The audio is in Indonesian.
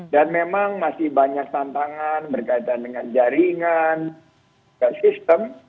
memang masih banyak tantangan berkaitan dengan jaringan sistem